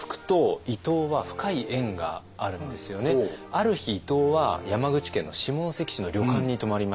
ある日伊藤は山口県の下関市の旅館に泊まりました。